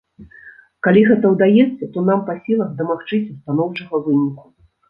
Калі гэта ўдаецца, то нам па сілах дамагчыся станоўчага выніку.